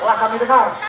telah kami dengar